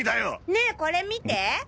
ねえこれ見て！